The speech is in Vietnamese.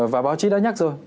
và báo chí đã nhắc rồi